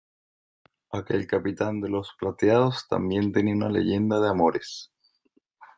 aquel capitán de los plateados también tenía una leyenda de amores.